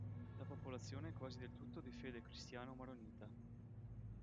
La popolazione è quasi del tutto di fede cristiano-maronita.